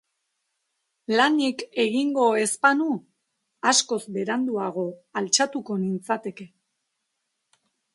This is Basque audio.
Lanik egingo ez banu askoz beranduago altxatuko nintzateke.